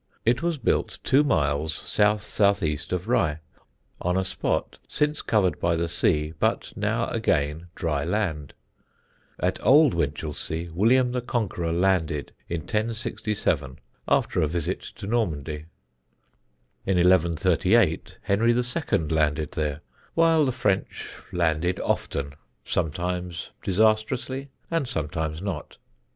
It was built two miles south south east of Rye, on a spot since covered by the sea but now again dry land. At Old Winchelsea William the Conqueror landed in 1067 after a visit to Normandy; in 1138 Henry II. landed there, while the French landed often, sometimes disastrously and sometimes not.